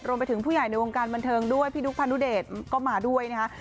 รวมไปถึงผู้ใหญ่ในวงการบันเทิงด้วยพี่ดุ๊กพานุเดชก็มาด้วยนะคะ